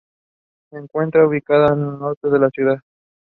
Events participated in